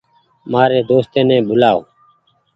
مآريِ دوستي ني ٻولآئو۔